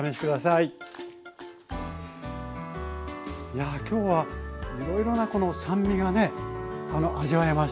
いやぁ今日はいろいろなこの酸味がね味わえます。